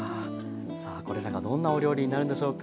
さあこれらがどんなお料理になるんでしょうか。